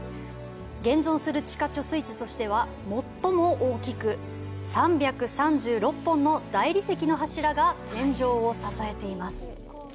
現存する地下貯水池としては最も大きく、３３６本の大理石の柱が天井を支えています。